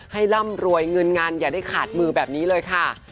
ร่ำรวยเงินงานอย่าได้ขาดมือแบบนี้เลยค่ะ